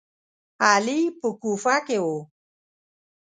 علي په کوفه کې و.